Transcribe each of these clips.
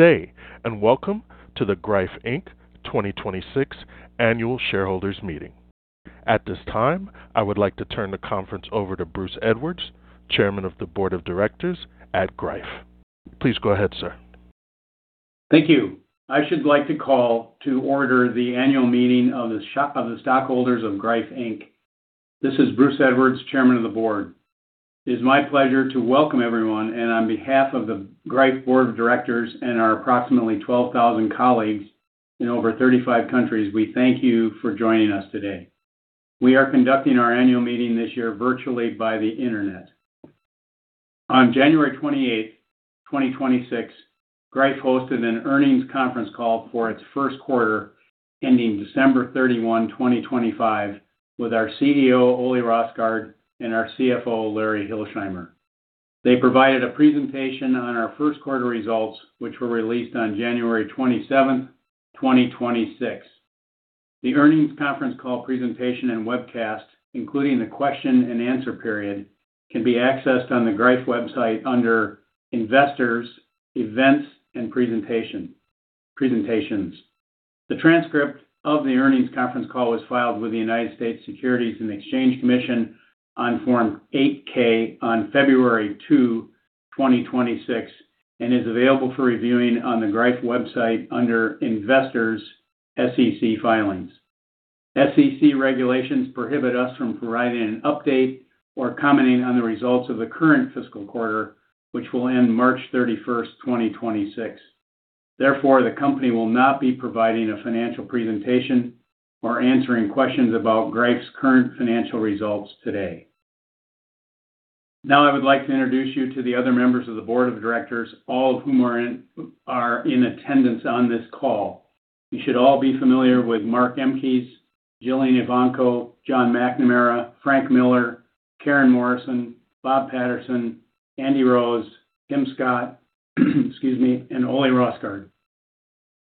day. Welcome to the Greif, Inc. 2026 Annual Shareholders Meeting. At this time, I would like to turn the conference over to Bruce Edwards, Chairman of the Board of Directors at Greif. Please go ahead, sir. Thank you. I should like to call to order the annual meeting of the stockholders of Greif, Inc. This is Bruce Edwards, Chairman of the Board. It is my pleasure to welcome everyone, and on behalf of the Greif Board of Directors and our approximately 12,000 colleagues in over 35 countries, we thank you for joining us today. We are conducting our annual meeting this year virtually by the Internet. On January 28th, 2026, Greif hosted an earnings conference call for its first quarter, ending December 31, 2025, with our CEO, Ole Rosgaard, and our CFO, Larry Hilsheimer. They provided a presentation on our first quarter results, which were released on January 27th, 2026. The earnings conference call presentation and webcast, including the question and answer period, can be accessed on the Greif website under Investors, Events, and Presentations. The transcript of the earnings conference call was filed with the United States Securities and Exchange Commission on Form 8-K on February 2, 2026, and is available for reviewing on the Greif website under Investors, SEC Filings. SEC regulations prohibit us from providing an update or commenting on the results of the current fiscal quarter, which will end March 31st, 2026. Therefore, the company will not be providing a financial presentation or answering questions about Greif's current financial results today. Now, I would like to introduce you to the other members of the board of directors, all of whom are in attendance on this call. You should all be familiar with Mark Emkes, Jillian Evanko, John McNamara, Frank Miller, Karen Morrison, Bob Patterson, Andy Rose, Kim Scott, excuse me, and Ole Rosgaard.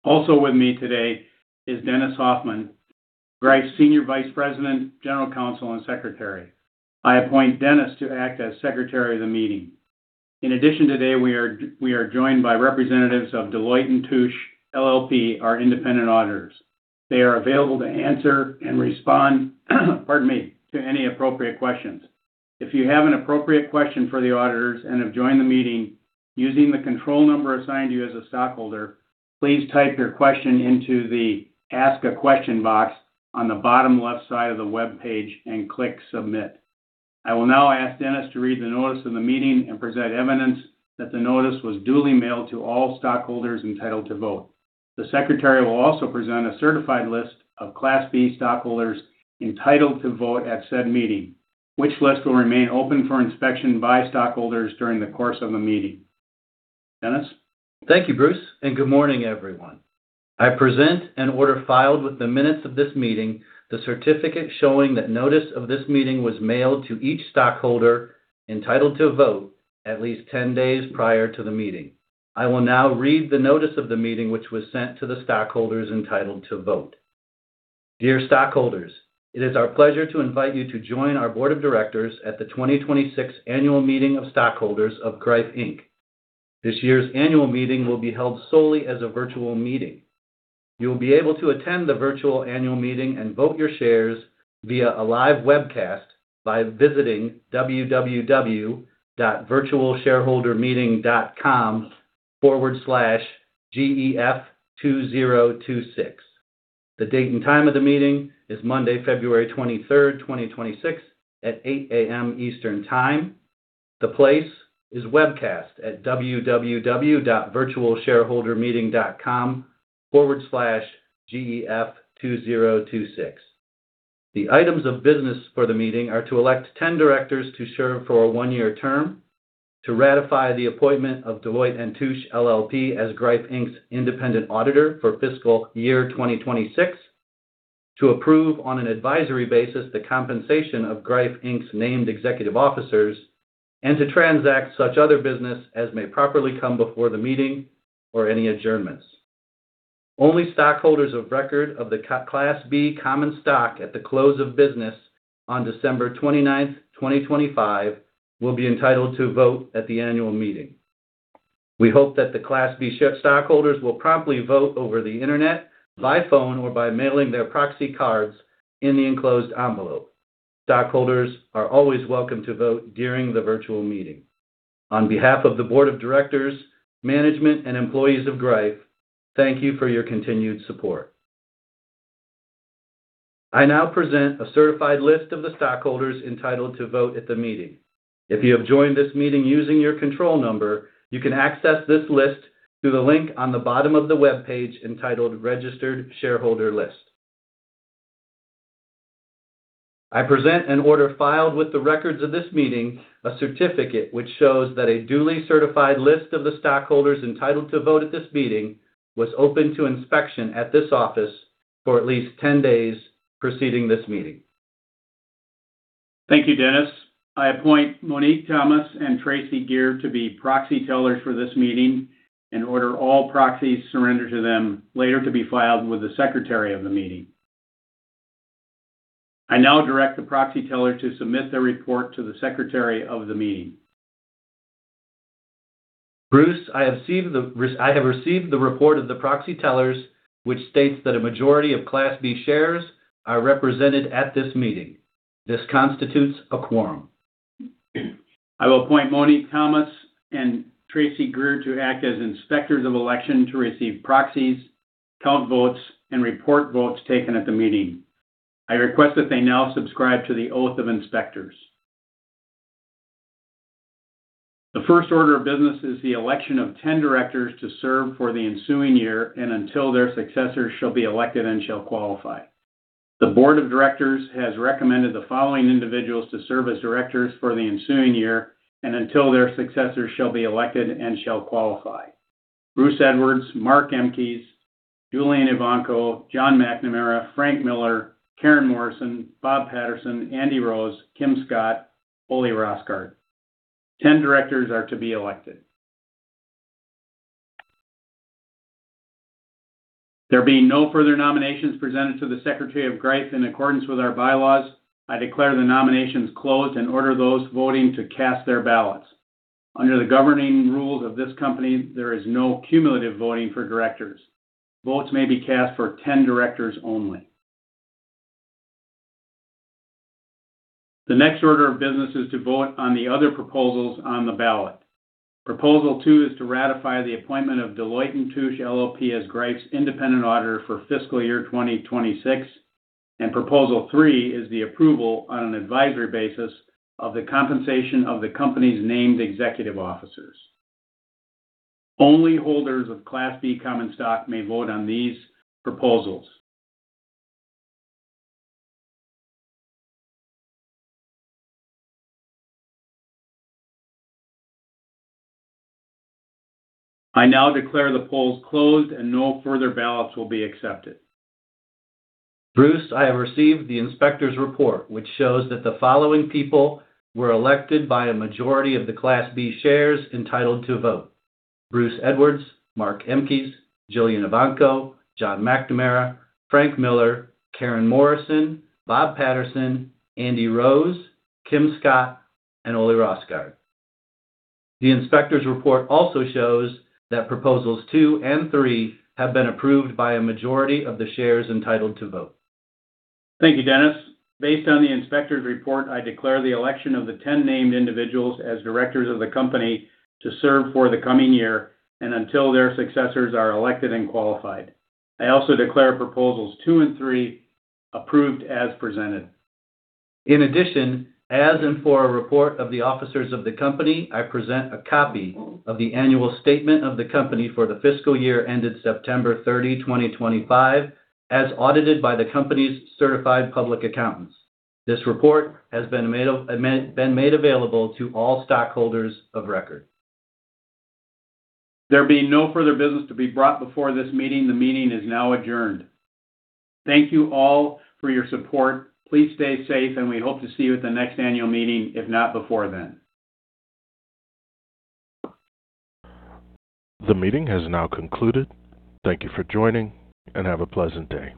Also with me today is Dennis Hoffman, Greif's Senior Vice President, General Counsel, and Secretary. I appoint Dennis to act as Secretary of the meeting. In addition, today, we are, we are joined by representatives of Deloitte & Touche LLP, our independent auditors. They are available to answer and respond, pardon me, to any appropriate questions. If you have an appropriate question for the auditors and have joined the meeting using the control number assigned to you as a stockholder, please type your question into the Ask a Question box on the bottom left side of the webpage and click Submit. I will now ask Dennis to read the notice of the meeting and present evidence that the notice was duly mailed to all stockholders entitled to vote. The Secretary will also present a certified list of Class B stockholders entitled to vote at said meeting, which list will remain open for inspection by stockholders during the course of the meeting. Dennis? Thank you, Bruce, good morning, everyone. I present and order filed with the minutes of this meeting, the certificate showing that notice of this meeting was mailed to each stockholder entitled to vote at least 10 days prior to the meeting. I will now read the notice of the meeting, which was sent to the stockholders entitled to vote. Dear stockholders, it is our pleasure to invite you to join our board of directors at the 2026 Annual Meeting of Stockholders of Greif, Inc. This year's annual meeting will be held solely as a virtual meeting. You will be able to attend the virtual annual meeting and vote your shares via a live webcast by visiting www.virtualshareholdermeeting.com/GEF2026. The date and time of the meeting is Monday, February 23rd, 2026, at 8:00 A.M. Eastern Time. The place is webcast at www.virtualshareholdermeeting.com/GEF2026. The items of business for the meeting are to elect 10 directors to serve for a one-year term, to ratify the appointment of Deloitte & Touche LLP as Greif, Inc.'s independent auditor for fiscal year 2026, to approve, on an advisory basis, the compensation of Greif, Inc.'s named executive officers, to transact such other business as may properly come before the meeting or any adjournments. Only stockholders of record of the Class B common stock at the close of business on December 29th, 2025, will be entitled to vote at the annual meeting. We hope that the Class B stockholders will promptly vote over the Internet, by phone, or by mailing their proxy cards in the enclosed envelope. Stockholders are always welcome to vote during the virtual meeting. On behalf of the Board of Directors, management, and employees of Greif, thank you for your continued support. I now present a certified list of the stockholders entitled to vote at the meeting. If you have joined this meeting using your control number, you can access this list through the link on the bottom of the webpage entitled Registered Shareholder List. I present an order filed with the records of this meeting, a certificate which shows that a duly certified list of the stockholders entitled to vote at this meeting was open to inspection at this office for at least 10 days preceding this meeting. Thank you, Dennis. I appoint Monique Thomas and Tracy Grier to be proxy tellers for this meeting and order all proxies surrendered to them later to be filed with the Secretary of the meeting. I now direct the proxy teller to submit their report to the Secretary of the meeting. Bruce, I have received the report of the proxy tellers, which states that a majority of Class B shares are represented at this meeting. This constitutes a quorum. I will appoint Monique Thomas and Tracy Grier to act as inspectors of election to receive proxies, count votes, and report votes taken at the meeting. I request that they now subscribe to the Oath of Inspectors. The first order of business is the election of 10 directors to serve for the ensuing year and until their successors shall be elected and shall qualify. The board of directors has recommended the following individuals to serve as directors for the ensuing year and until their successors shall be elected and shall qualify: Bruce Edwards, Mark Emkes, Jillian Evanko, John McNamara, Frank Miller, Karen Morrison, Robert Patterson, Andy Rose, Kim Scott, Ole Rosgaard. 10 directors are to be elected. There being no further nominations presented to the Secretary of Greif in accordance with our bylaws, I declare the nominations closed and order those voting to cast their ballots. Under the governing rules of this company, there is no cumulative voting for directors. Votes may be cast for 10 directors only. The next order of business is to vote on the other proposals on the ballot. Proposal two is to ratify the appointment of Deloitte & Touche LLP, as Greif's independent auditor for fiscal year 2026, and proposal three is the approval on an advisory basis of the compensation of the company's named executive officers. Only holders of Class B common stock may vote on these proposals. I now declare the polls closed, and no further ballots will be accepted. Bruce, I have received the inspector's report, which shows that the following people were elected by a majority of the Class B shares entitled to vote: Bruce Edwards, Mark Emkes, Jillian Evanko, John McNamara, Frank Miller, Karen Morrison, Robert Patterson, Andy Rose, Kim Scott, and Ole Rosgaard. The inspector's report also shows that proposals two and three have been approved by a majority of the shares entitled to vote. Thank you, Dennis. Based on the inspector's report, I declare the election of the 10 named individuals as directors of the company to serve for the coming year and until their successors are elected and qualified. I also declare proposals two and three approved as presented. In addition, as and for a report of the officers of the company, I present a copy of the annual statement of the company for the fiscal year ended September 30, 2025, as audited by the company's certified public accountants. This report has been made available to all stockholders of record. There being no further business to be brought before this meeting, the meeting is now adjourned. Thank you all for your support. Please stay safe, and we hope to see you at the next annual meeting, if not before then. The meeting has now concluded. Thank you for joining, and have a pleasant day.